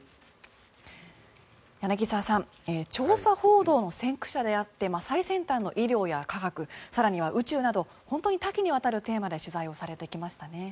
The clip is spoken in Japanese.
柳澤さん調査報道の先駆者であって最先端の医療や科学更には宇宙など本当に多岐にわたるテーマで取材をされてきましたね。